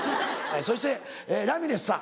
そしてラミレスさん。